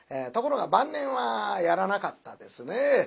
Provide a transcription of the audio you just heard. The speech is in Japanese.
ところが晩年はやらなかったですね。